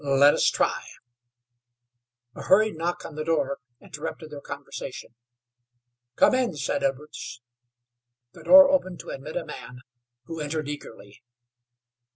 "Let us try." A hurried knock on the door interrupted their conversation. "Come in," said Edwards. The door opened to admit a man, who entered eagerly.